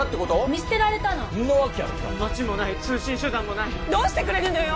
見捨てられたのんなわけあるか街もない通信手段もないどうしてくれるのよ！